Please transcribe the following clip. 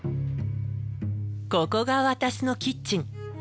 ここが私のキッチン。